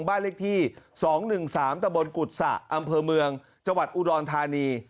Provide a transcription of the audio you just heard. บ้านเลขที่๒๑๓ตะบนกุศะอำเภอเมืองจังหวัดอุดรธานี